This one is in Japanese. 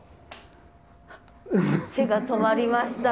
手が止まりました。